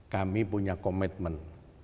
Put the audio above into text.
kami punya komitmen